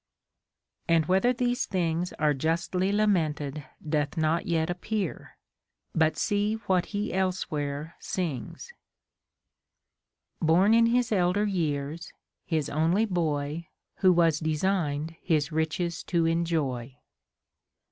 t And whether these things are justly lamented doth not yet appear. But see what he elsewhere sings :— Born in his elder years, his only boy, Λνΐιο was designed his riches to enjoy.